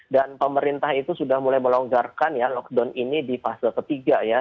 dan pemerintah itu sudah mulai melonggarkan ya lockdown ini di fase ketiga ya